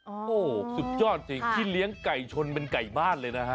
โอ้โหสุดยอดจริงที่เลี้ยงไก่ชนเป็นไก่บ้านเลยนะฮะ